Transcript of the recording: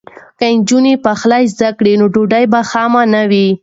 که نجونې پخلی زده کړي نو ډوډۍ به خامه نه وي.